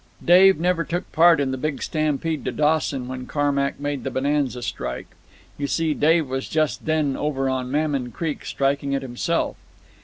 "Dave never took part in the big stampede to Dawson when Carmack made the Bonanza strike. You see, Dave was just then over on Mammon Creek strikin' it himself.